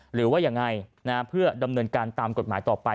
หรือว่ายังไงเพื่อดำเนินการตามกฎหมายต่อไป